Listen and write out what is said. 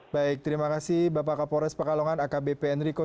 baik terima kasih bapak kapolres pakalongan akbp enrico